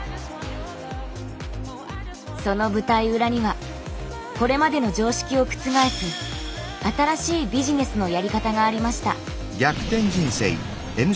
その舞台裏にはこれまでの常識を覆す新しいビジネスのやり方がありました。